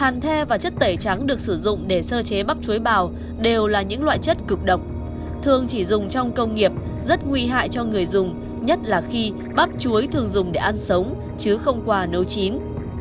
hàn the và chất tẩy trắng được sử dụng để sơ chế bắp chuối bào đều là những loại chất cực độc thường chỉ dùng trong công nghiệp rất nguy hại cho người dùng nhất là khi bắp chuối thường dùng để ăn sống chứ không quà nấu chín